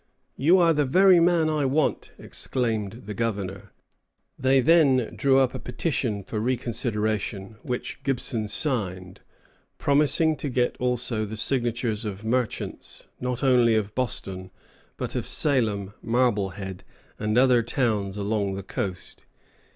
"You are the very man I want!" exclaimed the Governor. [Footnote: Gibson, Journal of the Siege of Louisbourg.] They then drew up a petition for reconsideration, which Gibson signed, promising to get also the signatures of merchants, not only of Boston, but of Salem, Marblehead, and other towns along the coast.